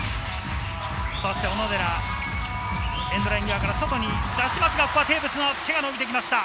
そして小野寺、エンドラインから外に出しますが、テーブスの手が伸びてきました。